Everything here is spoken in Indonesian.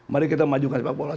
mari kita majukan sepak bola